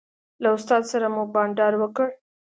له استاد سره مو بانډار وکړ.